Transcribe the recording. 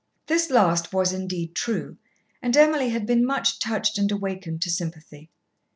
This last was indeed true, and Emily had been much touched and awakened to sympathy.